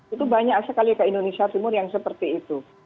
itu banyak sekali ke indonesia timur yang seperti itu